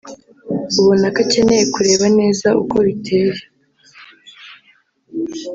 ubona ko akeneye kureba neza uko biteye